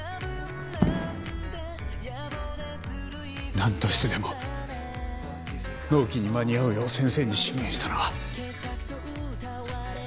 なんとしてでも納期に間に合うよう先生に進言したのは。